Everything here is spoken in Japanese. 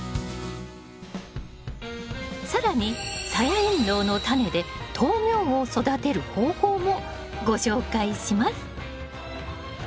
更にサヤエンドウのタネで豆苗を育てる方法もご紹介します。